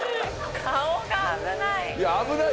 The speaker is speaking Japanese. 顔が危ない。